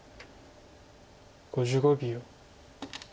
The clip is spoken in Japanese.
５５秒。